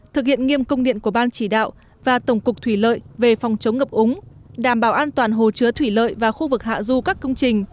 thực hiện nghiêm công điện của ban chỉ đạo và tổng cục